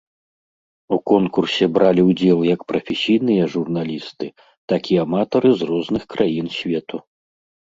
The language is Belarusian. У конкурсе бралі ўдзел як прафесійныя журналісты, так і аматары з розных краін свету.